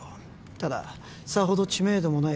たださほど知名度もない